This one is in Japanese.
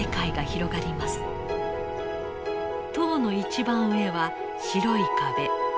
塔の一番上は白い壁。